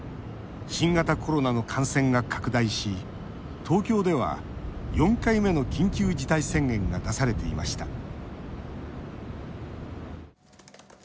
新型コロナの感染が拡大し東京では４回目の緊急事態宣言が出されていました。